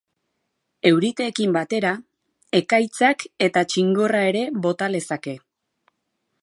Euriteekin batera, ekaitzak eta txingorra ere bota lezake.